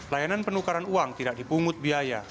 layanan penukaran uang tidak dipungut biaya